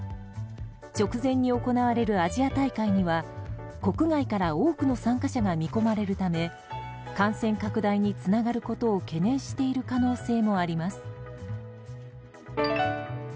直前に行われるアジア大会には国外から多くの参加者が見込まれるため感染拡大につながることを懸念している可能性もあります。